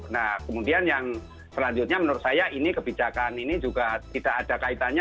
nah kemudian yang selanjutnya menurut saya ini kebijakan ini juga tidak ada kaitannya